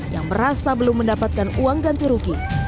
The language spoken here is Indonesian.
yang merasa belum mendapatkan uang ganti rugi